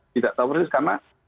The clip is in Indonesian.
tidak tahu persis karena